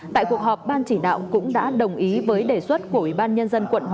tại cuộc họp ban chỉ đạo cũng đã đồng ý với đề xuất của ủy ban nhân dân quận một